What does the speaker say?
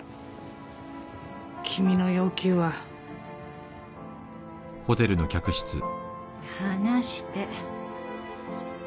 君の要求は？放して。